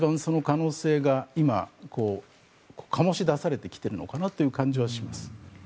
その可能性が今、醸し出されてきているのかなという感じはします。